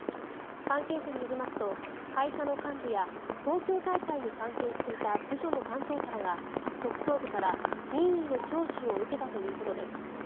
関係者によりますと会社の幹部や東京大会に関係していた部署の担当者らが特捜部から任意の聴取を受けたということです。